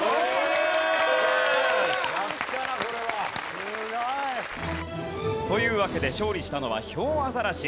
やったなこれは。というわけで勝利したのはヒョウアザラシ。